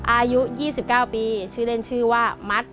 อายุ๒๙ปีชื่อเล่นชื่อว่ามัด